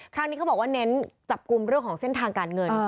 เขาบอกว่าเน้นจับกลุ่มเรื่องของเส้นทางการเงิน